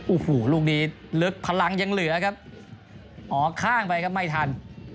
โอ้โหลูกนี้ลึกพลังยังเหลือครับอ๋อข้างไปครับไม่ทัน